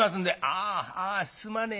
「ああすまねえな。